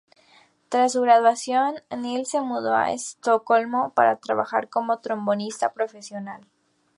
Tras su graduación, Nils se mudó a Estocolmo para trabajar como trombonista profesional.